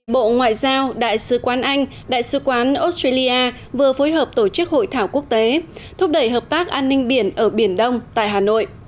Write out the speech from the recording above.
bộ ngoại giao đại sứ quán anh đại sứ quán australia vừa phối hợp tổ chức hội thảo quốc tế thúc đẩy hợp tác an ninh biển ở biển đông tại hà nội